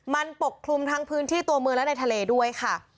มันปกคลุมทั้งพื้นที่ตัวเมืองและในทะเลด้วยค่ะ